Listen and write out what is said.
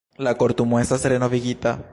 La Kortumo estas renovigita.